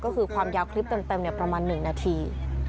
ก็คือความยาวคลิปเต็มประมาณ๑นาที